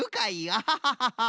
アハハハハ！